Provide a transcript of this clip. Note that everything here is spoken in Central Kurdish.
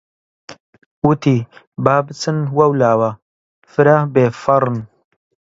وتی: با بچن وەولاوە فرە بێفەڕن!